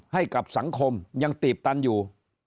ให้กับสังคมยังตีบตันอยู่